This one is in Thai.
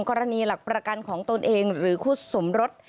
กรณีหลักประกันของตนเองหรือคู่สมรส